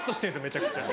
めちゃくちゃ。